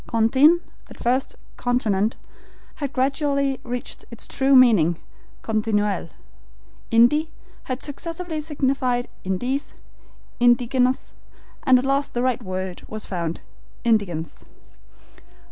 CONTIN, at first CONTINENT, had gradually reached its true meaning, continuelle. Indi had successively signified indiens, indigenes, and at last the right word was found INDIGENCE.